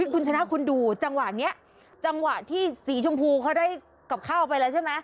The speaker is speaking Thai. คุณชนะคุณดูจังหวะนี้จังหวะที่สีชมพูเขาได้กลับเข้าไปแล้วใช่ไหม